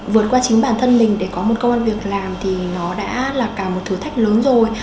vượt qua chính bản thân mình để có một công an việc làm thì nó đã là cả một thử thách lớn rồi